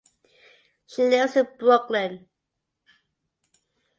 She lives in Brooklyn.